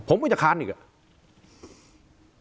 ผมไม่จะค้านอีกอะ